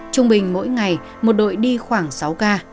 trung bình mỗi ngày một đội đi khoảng sáu ca